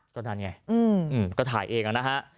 ตอนนั้นไงก็ถ่ายเองแล้วนะฮะ